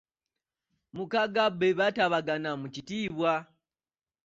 Mukaaga be baatabagana mu kitiibwa.